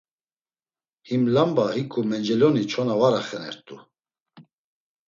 Him lamba hiǩu menceloni çona var axenert̆u.